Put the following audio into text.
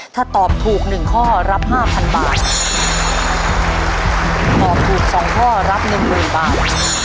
ถ้าตอบถูกหนึ่งข้อรับห้าพันบาทตอบถูกสองข้อรับหนึ่งหมื่นบาท